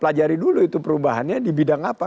pelajari dulu itu perubahannya di bidang apa